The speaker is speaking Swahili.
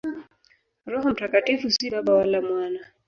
Roho Mtakatifu si Baba wala Mwana.